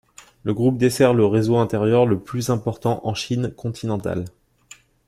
Le groupe dessert le réseau intérieur le plus important en Chine continentale.